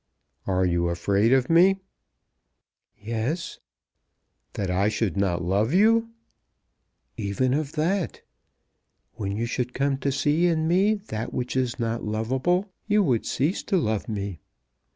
"Are you afraid of me?" "Yes." "That I should not love you?" "Even of that. When you should come to see in me that which is not lovable you would cease to love me.